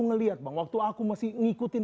ngelihat bang waktu aku masih ngikutin